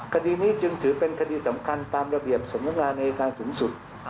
คดีนี้จึงถือเป็นคดีสำคัญตามระเบียบสมงานเอการสุนสุทธิ์